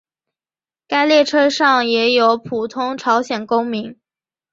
该列车上也有普通朝鲜公民。